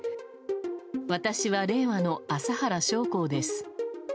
私は令和の麻原彰晃です。